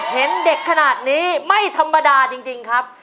เห็นเด็กขนาดนี้ไม่ธรรมดาจริงครับ